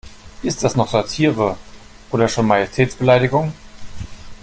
Ist das noch Satire oder schon Majestätsbeleidigung?